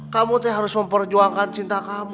kamu tuh harus memperjuangkan cinta kamu